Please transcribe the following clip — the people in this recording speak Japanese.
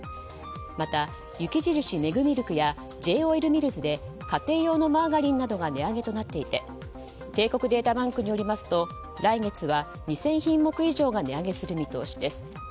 また雪印メグミルクやＪ−オイルミルズで家庭用のマーガリンなどが値上げとなっていて帝国データバンクによりますと来月は２０００品目以上が値上げする見通しです。